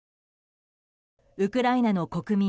ウクライナの国民